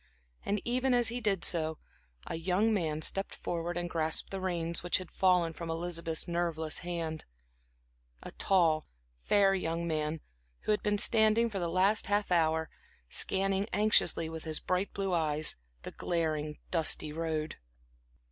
And even as he did so, a young man stepped forward and grasped the reins which had fallen from Elizabeth's nerveless hand; a tall, fair young man who had been standing for the last half hour, scanning anxiously, with his bright blue eyes, the glaring dusty road.